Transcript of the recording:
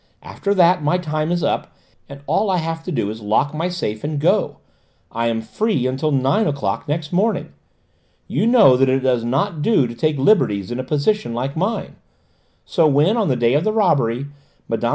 After that, my time is up, and all I have to do is lock my safe and go: I am free until nine o'clock next morning. You know that it does not do to take liberties in a position like mine. So when, on the day of the robbery, Mme.